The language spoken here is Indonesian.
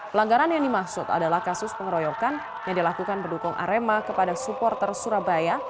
pelanggaran yang dimaksud adalah kasus pengeroyokan yang dilakukan pendukung arema kepada supporter surabaya